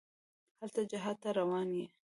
هلته جهاد ته روان یې.